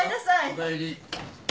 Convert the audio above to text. おかえり。